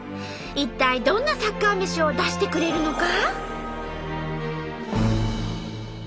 一体どんなサッカーめしを出してくれるのか？